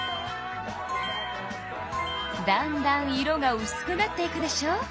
だんだん色がうすくなっていくでしょ？